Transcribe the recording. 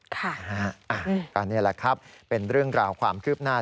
ตอนนี้ล่ะครับเป็นเรื่องราวความคลืบหน้า